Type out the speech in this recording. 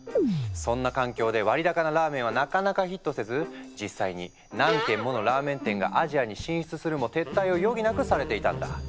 そんな環境で割高なラーメンはなかなかヒットせず実際に何軒ものラーメン店がアジアに進出するも撤退を余儀なくされていたんだ。